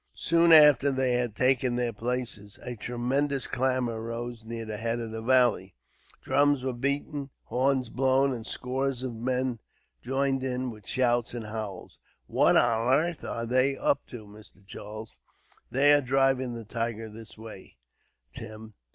Soon after they had taken their places, a tremendous clamour arose near the head of the valley. Drums were beaten, horns blown, and scores of men joined in, with shouts and howls. "What on arth are they up to, Mr. Charles?" "They are driving the tiger this way, Tim.